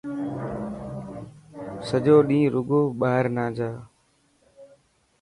سچو ڏينهن رڳو ٻاهر نه جا.